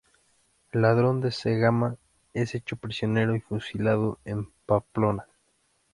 Ladrón de Cegama es hecho prisionero y fusilado en Pamplona.